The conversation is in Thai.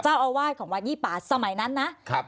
เจ้าอาวาสของวัดยี่ป่าสมัยนั้นนะครับ